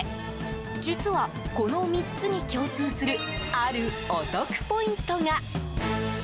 実は、この３つに共通するあるお得ポイントが。